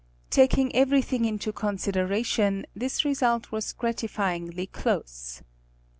Taking everything into consideration, this result was gratifyingly close.